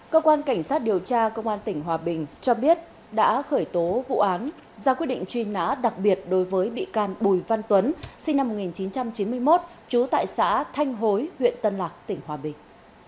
cơ quan cảnh sát điều tra công an tỉnh hòa bình cho biết đã khởi tố vụ án ra quyết định truy nã đặc biệt đối với bị can bùi văn tuấn sinh năm một nghìn chín trăm chín mươi một trú tại xã thanh hối huyện tân lạc tỉnh hòa bình